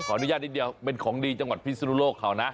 อนุญาตนิดเดียวเป็นของดีจังหวัดพิศนุโลกเขานะ